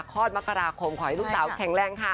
คลอดมกราคมขอให้ลูกสาวแข็งแรงค่ะ